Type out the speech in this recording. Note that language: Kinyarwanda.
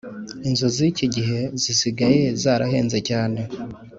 inzu zikigihe zisigaye zarahenze cyane